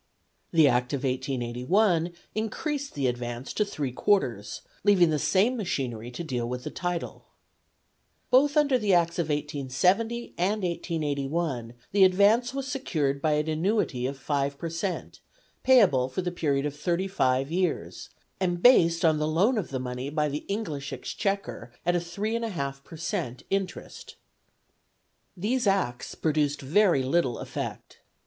The Act of 1881 increased the advance to three quarters, leaving the same machinery to deal with the title. Both under the Acts of 1870 and 1881 the advance was secured by an annuity of 5 per cent., payable for the period of thirty five years, and based on the loan of the money by the English Exchequer at 3 1/2 per cent. interest. These Acts produced very little effect.